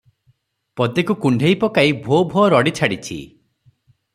ପଦୀକୁ କୁଣ୍ଢେଇ ପକାଇ ଭୋ ଭୋ ରଡ଼ି ଛାଡ଼ିଛି ।